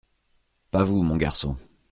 Pas vous, mon garçon…